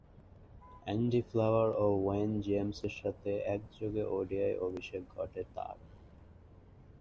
Andy Flower ও Owen জেমসের সাথে একযোগে ওডিআই অভিষেক ঘটে তার।